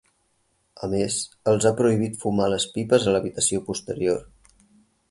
A més, els ha prohibit fumar les pipes a l'habitació posterior.